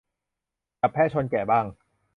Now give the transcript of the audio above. จับแพะชนแกะบ้าง